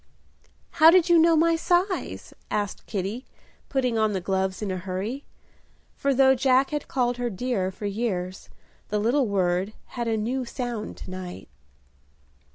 "How did you know my size?" asked Kitty, putting on the gloves in a hurry; for though Jack had called her "dear" for years, the little word had a new sound to night.